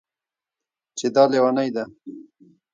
چې دا لېونۍ ده